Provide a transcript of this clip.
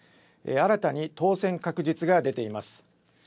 新たに当選確実が出ています。